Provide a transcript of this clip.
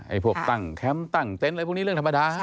พวกตั้งแคมป์ตั้งเต็นต์อะไรพวกนี้เรื่องธรรมดา